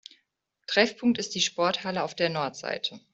Treffpunkt ist die Sporthalle auf der Nordseite.